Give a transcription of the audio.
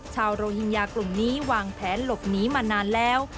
ชาวโรฮิงญากลุ่มนี้วางแผนหลบหนีมานานแล้ว